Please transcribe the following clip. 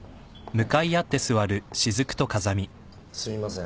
すみません